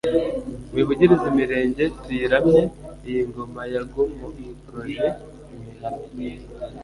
Muyivugirize imirenge tuyiramye, Iyi ngoma yagomoroje* imihana.